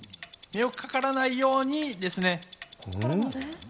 かからないようにですね。